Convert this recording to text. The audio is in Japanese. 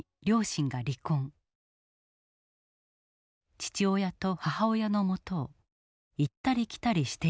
父親と母親のもとを行ったり来たりしていたという。